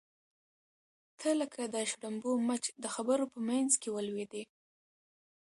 ته لکه د شړومبو مچ د خبرو په منځ کې ولوېدې.